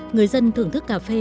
người dân thưởng thức cà phê